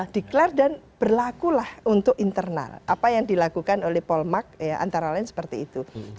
declare dan berlakulah untuk internal apa yang dilakukan oleh polmark ya antara lain seperti itu